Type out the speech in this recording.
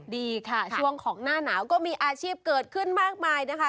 ดีค่ะช่วงของหน้าหนาวก็มีอาชีพเกิดขึ้นมากมายนะคะ